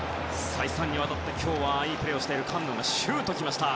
再三にわたって今日はいいプレーをしているカンノのシュートが来ました。